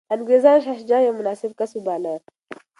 انګریزانو شاه شجاع یو مناسب کس وباله.